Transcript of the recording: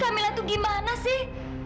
kamila tuh gimana sih